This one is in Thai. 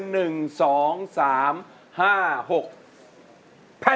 แผ่นไหนครับโอ้โหคุณป่าคุณป่าคุณป่า